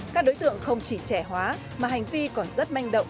các đối tượng không chỉ trẻ hóa mà hành vi còn rất manh động